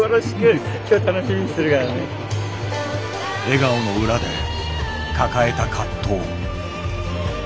笑顔の裏で抱えた葛藤。